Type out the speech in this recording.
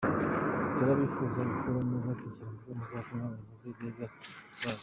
Turabifuriza gukura neza kugira ngo muzavemo abayobozi beza b’ejo hazaza.